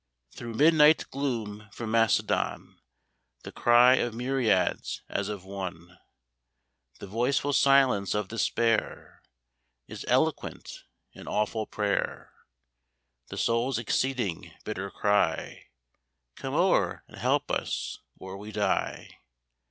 Through midnight gloom from Macedon, The cry of myriads as of one; The voiceful silence of despair Is eloquent in awful prayer: The soul's exceeding bitter cry, "Come o'er and help us, or we die."